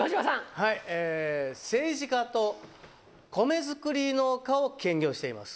はい政治家と米作り農家を兼業しています。